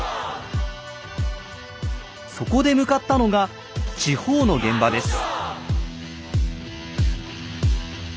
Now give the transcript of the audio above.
そこで向かったのが地方の現場です。